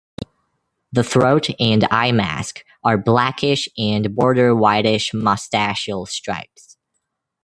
The throat and eyemask are blackish and border whitish moustachial stripes.